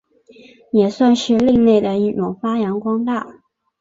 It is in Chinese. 也算是另类的一种发扬光大。